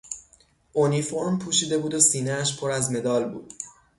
اونیفورم پوشیده بود و سینهاش پر از مدال بود.